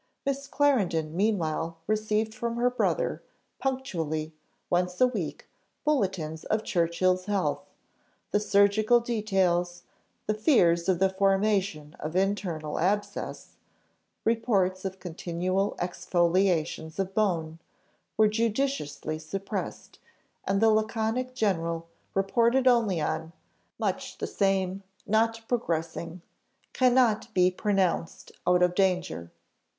Miss Clarendon meanwhile received from her brother, punctually, once a week, bulletins of Churchill's health; the surgical details, the fears of the formation of internal abscess, reports of continual exfoliations of bone, were judiciously suppressed, and the laconic general reported only "Much the same not progressing cannot be pronounced out of danger."